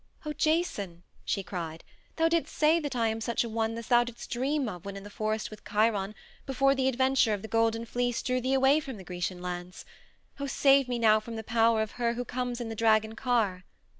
"O, Jason," she cried, "thou didst say that I am such a one as thou didst dream of when in the forest with Chiron, before the adventure of the Golden Fleece drew thee away from the Grecian lands. Oh, save me now from the power of her who comes in the dragon car."